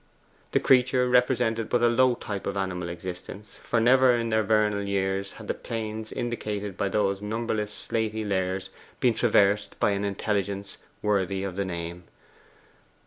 The creature represented but a low type of animal existence, for never in their vernal years had the plains indicated by those numberless slaty layers been traversed by an intelligence worthy of the name.